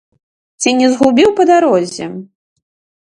Ці не згубіў па дарозе?